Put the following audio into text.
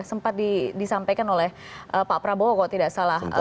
sempat disampaikan oleh pak prabowo kalau tidak salah